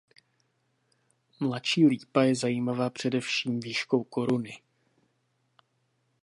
Mladší lípa je zajímavá především výškou koruny.